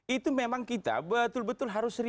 itu memang kita betul betul harus real